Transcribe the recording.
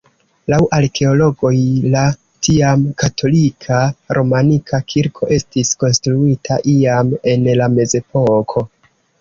Laŭ arkeologoj la tiam katolika romanika kirko estis konstruita iam en la mezepoko.